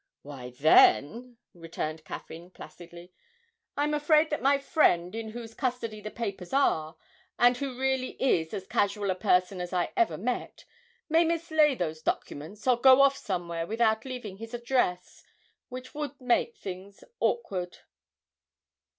'Why, then,' returned Caffyn, placidly, 'I'm afraid that my friend in whose custody the papers are, and who really is as casual a person as I ever met, may mislay those documents or go off somewhere without leaving his address which would make things awkward.'